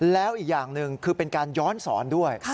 แล้วอีกอย่างหนึ่งคือเป็นการย้อนสอนด้วย